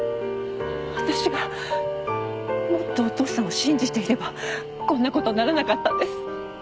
私がもっとお義父さんを信じていればこんな事にはならなかったんです。